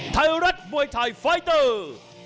ไทยรัฐมวยไทยไฟเตอร์